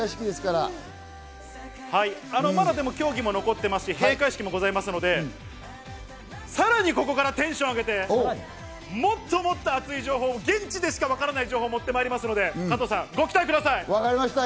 でも、まだ競技も残っていますし、閉会式もございますので、さらにここからテンションを上げてもっともっと熱い情報、現地でしかわからない情報を持ってまいりますので、加藤さん、ご期待ください。